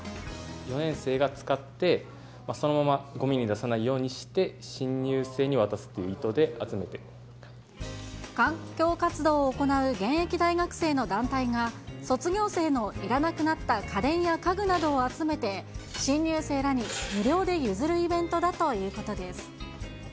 ４年生が使って、そのままごみに出さないようにして新入生に渡すっていう意図で集環境活動を行う現役大学生の団体が、卒業生のいらなくなった家電や家具などを集めて、新入生らに無料で譲るイベントだということです。